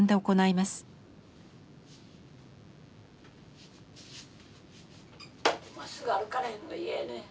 まっすぐ歩かれへんのが嫌やね。